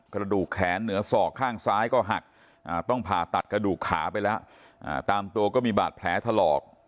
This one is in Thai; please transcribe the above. กระดูกแขนเหนือศอกข้างซ้ายก็หักต้องผ่าตัดกระดูกขาไปแล้วตามตัวก็มีบาดแผลถลอก